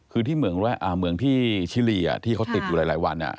คือที่เมืองที่ชิลีที่เขาติดอยู่หลายวัน